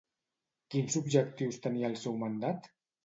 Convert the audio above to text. Quins objectius tenia el seu mandat?